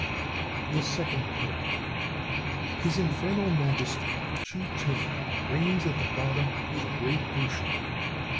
THE SECOND COURT. His Infernal Majesty, Ch'u Ching, reigns at the bottom of the great Ocean.